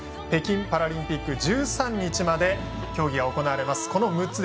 北京パラリンピック１３日まで競技が行われます。